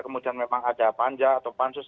kemudian memang ada panja atau pansus